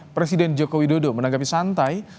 presiden jokowi dodo menanggapi santai